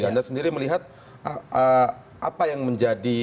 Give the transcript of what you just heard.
anda sendiri melihat apa yang menjadi